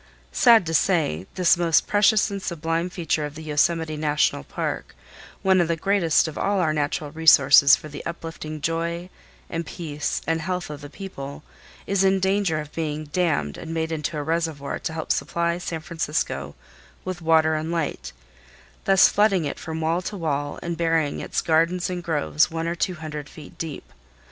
Sad to say, this most precious and sublime feature of the Yosemite National Park, one of the greatest of all our natural resources for the uplifting joy and peace and health of the people, is in danger of being dammed and made into a reservoir to help supply San Francisco with water and light, thus flooding it from wall to wall and burying its gardens and groves one or two hundred feet deep.